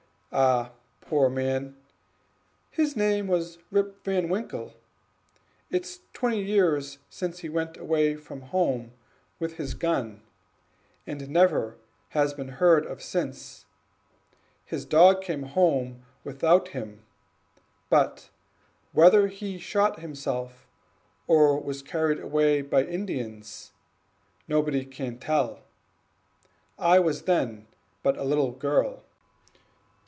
"Ah, poor man, Rip Van Winkle was his name, but it's twenty years since he went away from home with his gun, and never has been heard of since, his dog came home without him; but whether he shot himself or was carried away by the Indians, nobody can tell. I was then but a little girl."